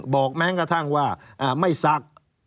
แม้กระทั่งว่าไม่ซัก